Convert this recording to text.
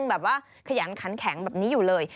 แบบว่าขยันขันแข็งแบบนี้อยู่เลย